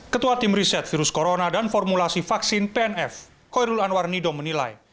ketua tim riset virus corona dan formulasi vaksin pnf koirul anwar nido menilai